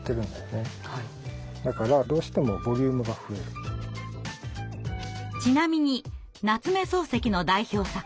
これはちなみに夏目漱石の代表作